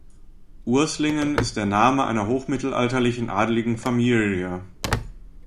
Urslingen ist der Name einer hochmittelalterlichen adeligen Familie.